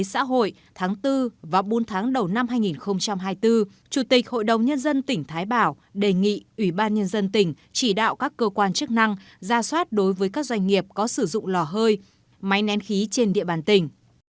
trong tháng đầu năm hai nghìn hai mươi bốn chủ tịch hội đồng nhân dân tỉnh thái bảo đề nghị ủy ban nhân dân tỉnh chỉ đạo các cơ quan chức năng ra soát đối với các doanh nghiệp có sử dụng lò hơi máy nén khí trên địa bàn tỉnh